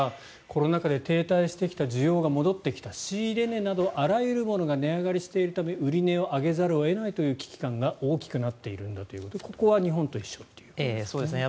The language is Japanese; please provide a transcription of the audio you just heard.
コロナ禍で停滞してきた需要が戻ってきた仕入れ値など、あらゆるものが値上がりしているため売値を上げざるを得ないという危機感が大きくなっているんだということでここは日本と一緒ということですね。